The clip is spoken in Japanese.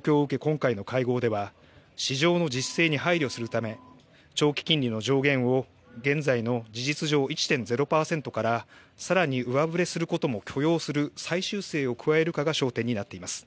今回の会合では市場の実勢に配慮するため長期金利の上限を現在の事実上１．０％から更に上振れすることも許容する再修正を加えるかが焦点となっています。